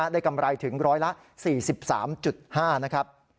กำไรถึงร้อยละ๔๓๕นะครับ